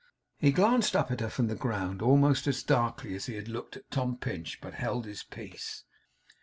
He glanced up at her from the ground, almost as darkly as he had looked at Tom Pinch; but held his peace.